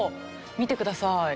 見てください。